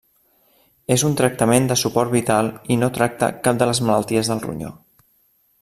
És un tractament de suport vital i no tracta cap de les malalties del ronyó.